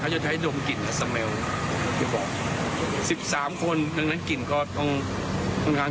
เขาจะใช้ดมกลิ่นมา